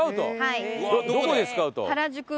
どこでスカウト？